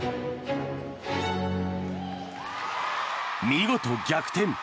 見事、逆転。